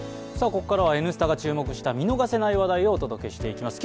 ここからは「Ｎスタ」が注目した見逃せない話題をお届けしていきます。